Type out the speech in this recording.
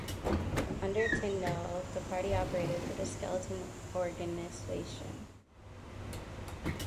Under Tyndall, the party operated with a skeleton organisation.